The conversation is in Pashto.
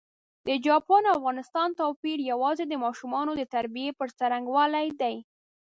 د چاپان او افغانستان توپېر یوازي د ماشومانو د تربیې پر ځرنګوالي دی.